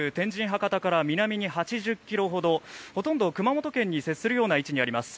博多から南に８０ｋｍほどほとんど熊本県に接するような位置にあります。